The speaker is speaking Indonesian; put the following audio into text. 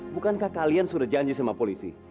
bukankah kalian sudah janji sama polisi